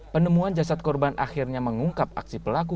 penemuan jasad korban akhirnya mengungkap aksi pelaku